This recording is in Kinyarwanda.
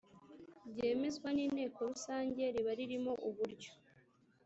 ryemezwa n Inteko Rusange Riba ririmo uburyo